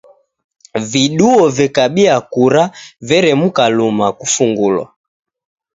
Viduo vekabia kura veremuka luma kufungulwa.